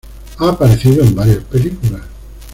Ha aparecido en varias películas.